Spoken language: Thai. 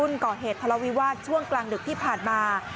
จันทร์ก่อเหตุพลวิวาสช่วงกลางหลึกที่ผ่านมา